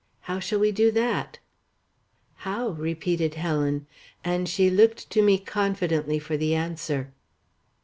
How shall we do that?" "How?" repeated Helen, and she looked to me confidently for the answer.